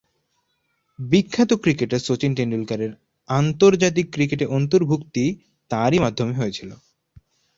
বিখ্যাত ক্রিকেটার শচীন তেন্ডুলকরের আন্তর্জাতিক ক্রিকেটে অন্তর্ভূক্তি তারই মাধ্যমে হয়েছিল।